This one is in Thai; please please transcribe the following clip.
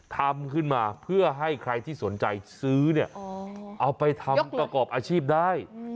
ทำขึ้นมาเพื่อให้ใครที่สนใจซื้อเนี่ยเอาไปทำประกอบอาชีพได้